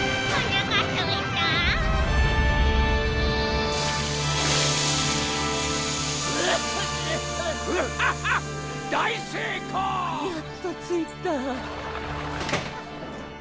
やっと着いた。